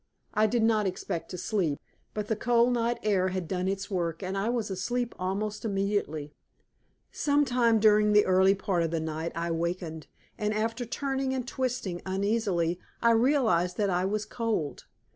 I did not expect to sleep, but the cold night air had done its work, and I was asleep almost immediately. Some time during the early part of the night I wakened, and, after turning and twisting uneasily, I realized that I was cold.